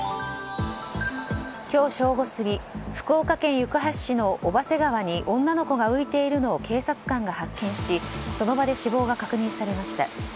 今日正午過ぎ福岡県行橋市の小波瀬川に女の子が浮いているのを警察官が発見しその場で死亡が確認されました。